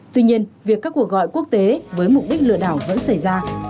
tuy nhiên việc các cuộc gọi quốc tế với mục đích lừa đảo vẫn xảy ra